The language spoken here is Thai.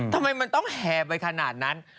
ทำไมมันต้องแห่ไปขนาดนั้น